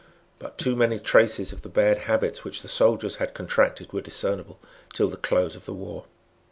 But too many traces of the bad habits which the soldiers had contracted were discernible till the close of the war.